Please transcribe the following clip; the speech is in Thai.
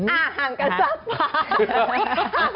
ห่างกันสักพัก